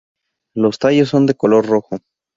Los tallos son de color rojo.